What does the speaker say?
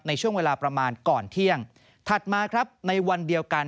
ในช่วงเวลาประมาณก่อนเที่ยงถัดมาครับในวันเดียวกัน